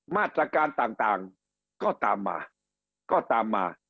มาตรการต่างก็ตามมา